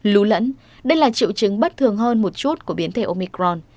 lún lẫn đây là triệu chứng bất thường hơn một chút của biến thể omicron